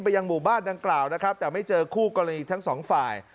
ยังหมู่บ้านดังกล่าวนะครับแต่ไม่เจอคู่กรณีทั้งสองฝ่าย